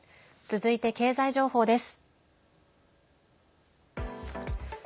続いて経済情報です。